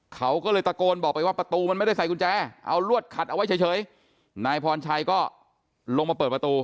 เขาก็เลยตะโกนบอกไปว่าประตูมันไม่ได้ใส่กุญแจเอาลวดขัดเอาไว้เฉยนายพรชัยก็ลงมาเปิดประตู